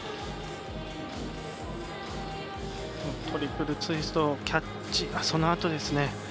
トリプルツイストキャッチのそのあとですね。